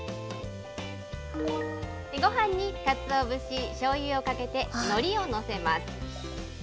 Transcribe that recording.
ごはんにかつお節、しょうゆをかけて、のりを載せます。